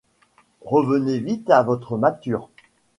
Revenez vite à votre nature.